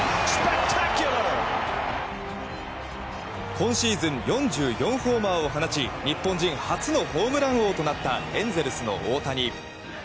今シーズン４４ホーマーを放ち日本人初のホームラン王となったエンゼルスの大谷。